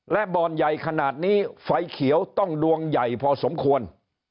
และบ่อนใหญ่ขนาดนี้ไฟเขียวต้องดวงใหญ่พอสมควร